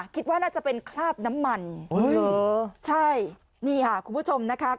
คิดว่าน่าจะเป็นคราบน้ำมันใช่นี่ค่ะคุณผู้ชมนะคะ